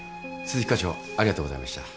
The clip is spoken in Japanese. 鈴木科長ありがとうございました。